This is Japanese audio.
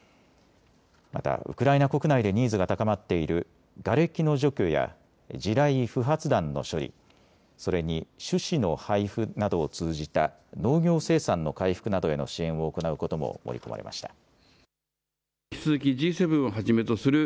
また、ウクライナ国内でニーズが高まっているがれきの除去や地雷・不発弾の処理、それに、種子の配布などを通じた農業生産の回復などへの支援を行うことも盛り込まれました。